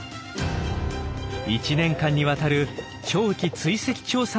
１年間にわたる長期追跡調査の始まりです。